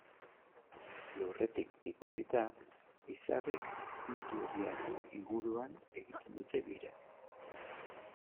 Lurretik ikusita, izarrek puntu horien inguruan egiten dute bira.